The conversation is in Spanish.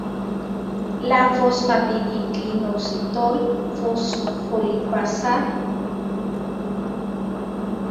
La fosfatidilinositol fosfolipasa C es inhibida en sistemas digestivos alcalinos.